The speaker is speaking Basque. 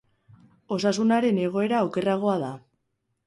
Osasunaren egoera okerragoa da.